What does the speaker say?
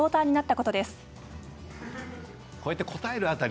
こうやって答える辺り